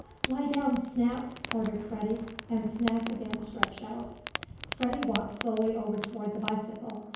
"Lie down, Snap!" ordered Freddie, and Snap again stretched out. Freddie walked slowly over toward the bicycle.